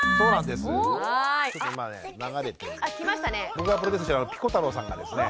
僕がプロデュースしてるピコ太郎さんがですね